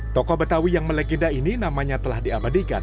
tokoh betawi yang melegenda ini namanya telah diabadikan